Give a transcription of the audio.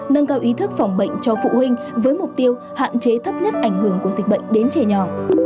nâng cao ý thức phòng bệnh cho phụ huynh với mục tiêu hạn chế thấp nhất ảnh hưởng của dịch bệnh đến trẻ nhỏ